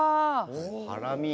ハラミ。